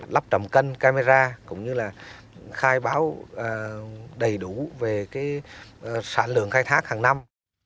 lắp trầm cân camera cũng như khai báo đầy đủ về sản lượng khai thác hàng năm